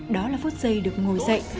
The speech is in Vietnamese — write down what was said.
đó là phút giây được ngồi dậy